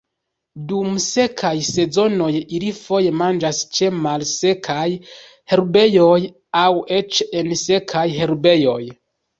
Dum sekaj sezonoj, ili foje manĝas ĉe malsekaj herbejoj aŭ eĉ en sekaj herbejoj.